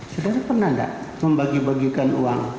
sedar pernah gak membagi bagikan uang